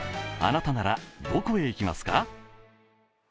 あなたなら、どこへ行きますか？